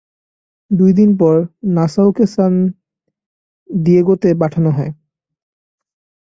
দুই দিন পর, নাসাউকে সান দিয়েগোতে পাঠানো হয়।